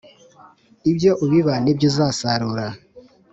Ibyo ubiba nibyo uzasarura